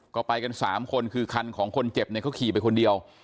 ก็ไปกัน๓คนคือคันของคนเจ็บเนี่ยเขาขี่ไปคนเดียว